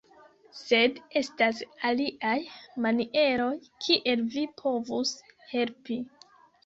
Sed estas aliaj manieroj kiel vi povus helpi